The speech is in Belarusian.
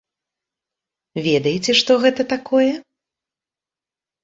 Ведаеце, што гэта такое?